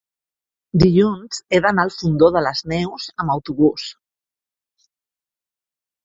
Dilluns he d'anar al Fondó de les Neus amb autobús.